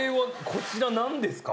こちら何ですか？